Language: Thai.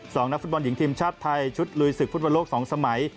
นักฟุตบอลหญิงทีมชาติไทยชุดลุยศึกฟุตบอลโลกสองสมัย